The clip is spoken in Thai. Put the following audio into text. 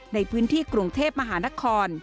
ในพื้นที่กรุงเทพมหานคร